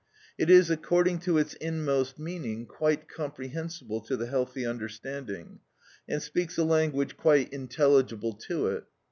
It is according to its inmost meaning quite comprehensible to the healthy understanding, and speaks a language quite intelligible to it.